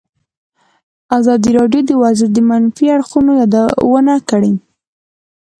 ازادي راډیو د ورزش د منفي اړخونو یادونه کړې.